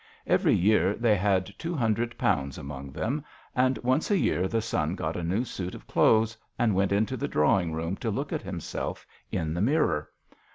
Every year they had two hundred pounds among them, and once a year the son got a new suit of clothes and went into the draw ing room to look at himself in the mirror.